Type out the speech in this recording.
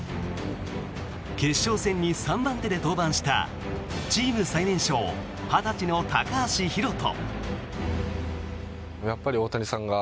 決勝戦に３番手で登板したチーム最年少、２０歳の高橋宏斗。